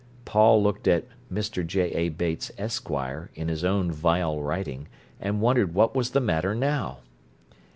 Paul looked at "Mr. J. A. Bates, Esquire" in his own vile writing, and wondered what was the matter now.